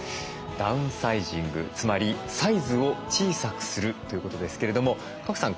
ダウンサイジングつまりサイズを小さくするということですけれども賀来さん